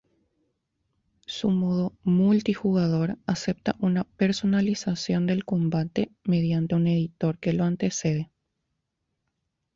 Su modo multijugador acepta una personalización del combate mediante un editor que lo antecede.